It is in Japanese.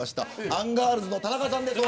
アンガールズの田中さんです。